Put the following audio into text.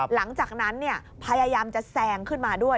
หลังจากนั้นพยายามจะแซงขึ้นมาด้วย